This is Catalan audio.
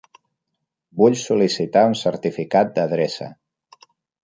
Vull sol·licitar un certificat d'adreça.